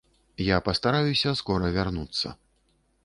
Я пастараюся скора вярнуцца.